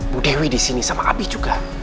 bu dewi disini sama abi juga